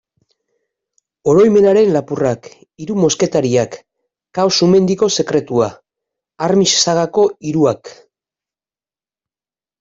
Oroimenaren lapurrak, Hiru mosketariak, Kao-Sumendiko sekretua, Armix sagako hiruak...